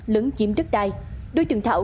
lớn chiếm đất đai đối tượng thảo